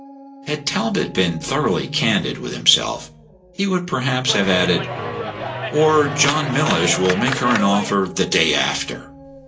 Had Talbot been thoroughly candid with himself, he would perhaps have added, "Or John Mellish will make her an offer the day after."